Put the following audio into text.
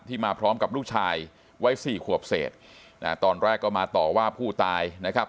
มาพร้อมกับลูกชายวัยสี่ขวบเศษตอนแรกก็มาต่อว่าผู้ตายนะครับ